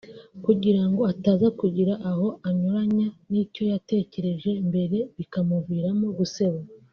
kugirango ataza kugira aho anyuranya n’icyo yatekereje mbere bikamuviramo guseba